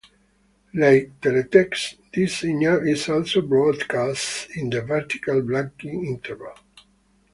Like teletext, this signal is also broadcast in the vertical blanking interval.